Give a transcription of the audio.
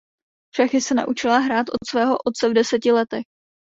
Šachy se naučila hrát od svého otce v deseti letech.